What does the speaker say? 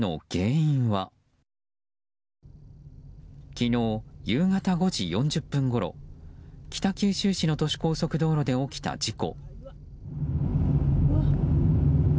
昨日夕方５時４０分ごろ北九州市の都市高速道路で起きた事故。